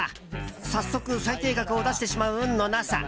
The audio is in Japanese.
早速、最低額を出してしまう運のなさ。